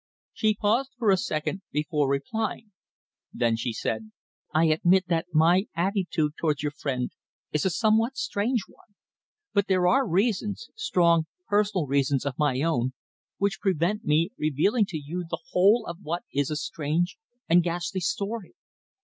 She paused for a second before replying. Then she said: "I admit that my attitude towards your friend is a somewhat strange one, but there are reasons strong, personal reasons of my own which prevent me revealing to you the whole of what is a strange and ghastly story.